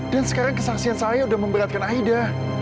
dan sekarang kesaksian saya sudah memberatkan aida